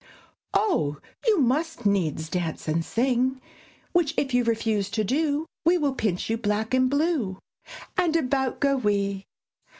Oh, you must needs dance and sing, Which if you refuse to do, We will pinch you black and blue; And about go we!